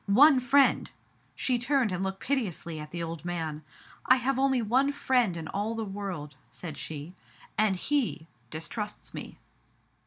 One friend," she turned and looked piteously at the old man. " I have only one friend in all the world, said she, " and he — distrusts me."